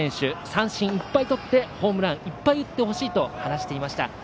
三振いっぱいとってホームランいっぱい打ってほしいと話していました。